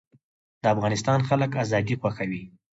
د افغانستان خلک ازادي خوښوي